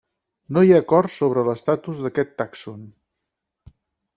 No hi ha acord sobre l'estatus d'aquest tàxon.